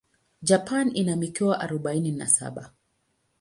Japan ina mikoa arubaini na saba.